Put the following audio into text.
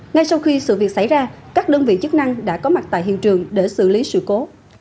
ngay sau khi sự việc xảy ra các đơn vị chức năng đã có mặt tại hiện trường để xử lý sự cố